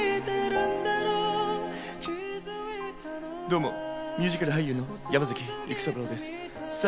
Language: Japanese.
どうも、ミュージカル俳優の山崎育三郎です。